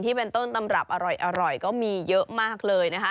ต้นตำรับอร่อยก็มีเยอะมากเลยนะคะ